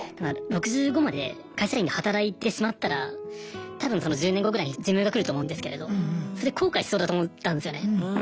６５まで会社員で働いてしまったら多分その１０年後ぐらいに寿命が来ると思うんですけれどそれで後悔しそうだと思ったんですよね。